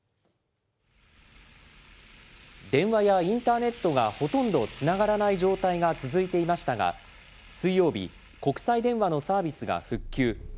電話やインターネットがほとんどつながらない状態が続いていましたが、水曜日、国際電話のサービスが復旧。